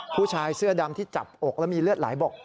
ผู้ชายเสื้อดำที่จับอกแล้วมีเลือดไหลบอก